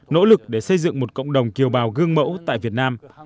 nỗ lực để xây dựng một cộng đồng kiều bào gương mẫu tại việt nam